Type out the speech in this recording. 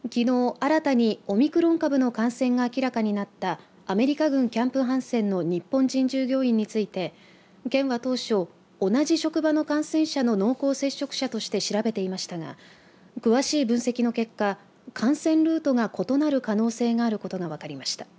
新たにオミクロン株の感染が明らかになったアメリカ軍キャンプハンセンの日本人従業員について県は当初、同じ職場の感染者の濃厚接触者として調べていましたが詳しい分析の結果感染ルートが異なる可能性があることが分かりました。